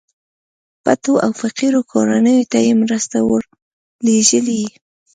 پټو او فقيرو کورنيو ته يې مرستې ورلېږلې.